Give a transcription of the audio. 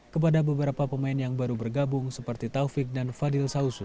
kepada beberapa pemain yang baru bergabung seperti taufik dan fadil sausu